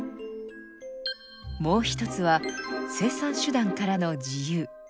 もう一つは生産手段からの自由。